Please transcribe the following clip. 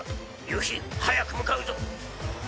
夕日早く向かうぞ！